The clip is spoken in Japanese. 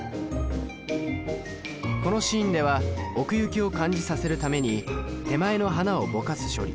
このシーンでは奥行きを感じさせるために手前の花をぼかす処理